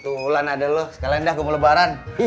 kebetulan ada lo sekalian dah gue mau lebaran